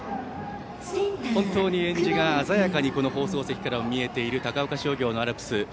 本当にえんじが鮮やかに放送席からも見えている高岡商業のアルプス。